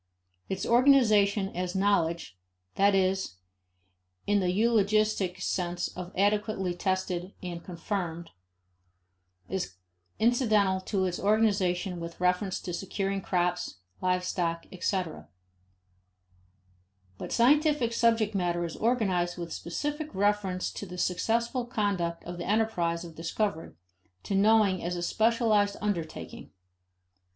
Its organization as knowledge (that is, in the eulogistic sense of adequately tested and confirmed) is incidental to its organization with reference to securing crops, live stock, etc. But scientific subject matter is organized with specific reference to the successful conduct of the enterprise of discovery, to knowing as a specialized undertaking.